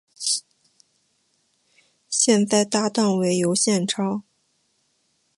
现在搭档为尤宪超。